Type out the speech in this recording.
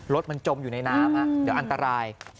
รถมันจมอยู่ในน้ำเดี๋ยวอันตราย